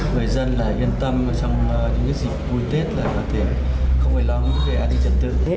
người dân là yên tâm trong những dịp vui tết là có thể không phải lo lắng về an ninh trật tự